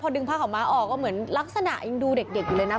ดึงผ้าขาวม้าออกก็เหมือนลักษณะยังดูเด็กอยู่เลยนะ